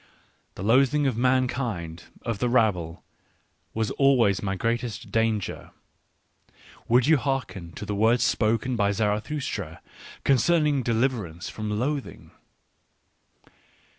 The loathing of mankind, of the rabble, was always my greatest danger. ... Would you hearken to the words spoken by Zarathustra concerning deliver ance from loathing?